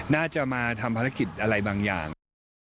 น่าจะมาทำภารกิจอะไรบางอย่าง